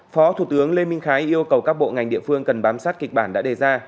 phó thủ tướng lê minh khái yêu cầu các bộ ngành địa phương cần bám sát kịch bản đã đề ra